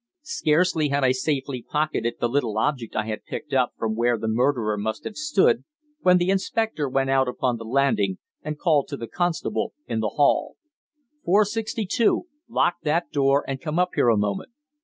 Scarcely had I safely pocketed the little object I had picked up from where the murderer must have stood when the inspector went out upon the landing and called to the constable in the hall: "Four sixty two, lock that door and come up here a moment."